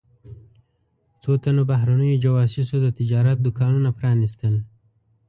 څو تنو بهرنیو جواسیسو د تجارت دوکانونه پرانیستل.